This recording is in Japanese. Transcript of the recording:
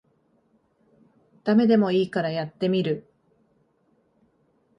ダメでもいいからやってみる